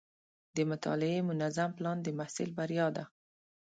د مطالعې منظم پلان د محصل بریا ده.